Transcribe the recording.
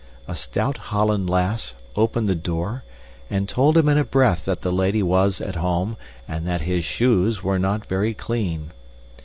A stout Holland lass opened the door, and told him in a breath that the lady was at home and that his shoes were not very clean.